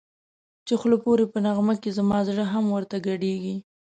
چی خوله پوری په نغمه کی زما زړه هم ورته گډېږی